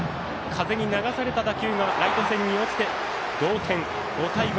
風に流された打球がライト線に落ちて同点。